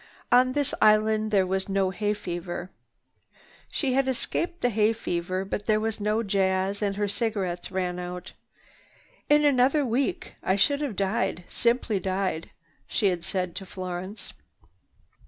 On this island there was no hay fever. She had escaped hay fever, but there was no jazz and her cigarettes ran out. "In another week I should have died—simply died," she had said to Florence.